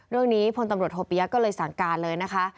เรื่องนี้พลตำรวจโฮปิยะก็เลยสั่งการเลยนะคะ